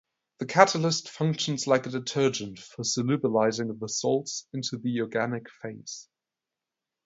The catalyst functions like a detergent for solubilizing the salts into the organic phase.